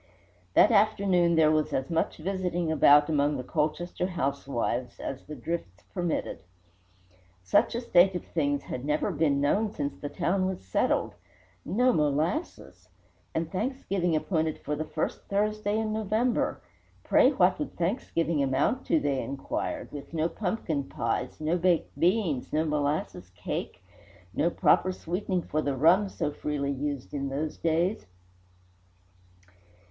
That afternoon there was as much visiting about among the Colchester housewives as the drifts permitted. Such a state of things had never been known since the town was settled. No molasses! And Thanksgiving appointed for the first Thursday in November! Pray what would Thanksgiving amount to, they inquired, with no pumpkin pies, no baked beans, no molasses cake, no proper sweetening for the rum so freely used in those days?